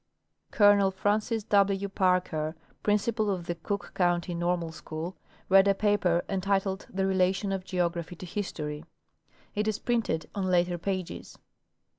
Colonel Francis W. Parker, principal of the Cook County Normal School, read a paper entitled " The Relation of Geog raphy to History." It is printed on later pages.